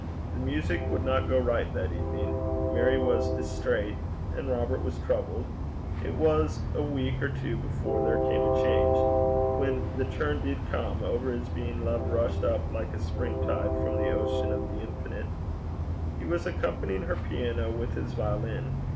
The music would not go right that evening. Mary was distraite, and Robert was troubled. It was a week or two before there came a change. When the turn did come, over his being love rushed up like a spring tide from the ocean of the Infinite. He was accompanying her piano with his violin.